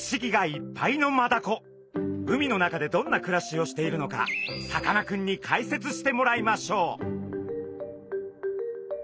海の中でどんな暮らしをしているのかさかなクンに解説してもらいましょう。